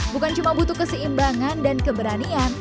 bukan cuma butuh keseimbangan dan keberanian